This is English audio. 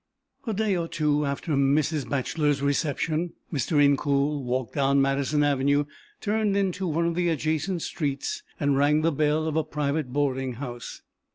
A day or two after Mrs. Bachelor's reception, Mr. Incoul walked down Madison avenue, turned into one of the adjacent streets and rang the bell of a private boarding house.